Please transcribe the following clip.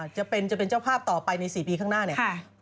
จะเป็นจะเป็นเจ้าภาพต่อไปใน๔ปีข้างหน้าเนี่ย